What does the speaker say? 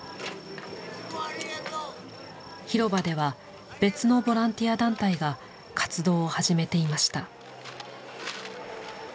広場では別のボランティア団体が活動を始めていました。